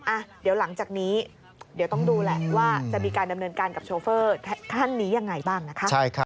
อ่ะเดี๋ยวหลังจากนี้เดี๋ยวต้องดูแหละว่าจะมีการดำเนินการกับโชเฟอร์ท่านนี้ยังไงบ้างนะคะ